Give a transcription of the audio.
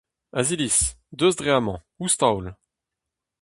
Aziliz, deus dre amañ, ouzh taol !